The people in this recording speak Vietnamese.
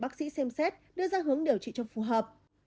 bác sĩ xem xét đưa ra hướng điều trị cho phù hợp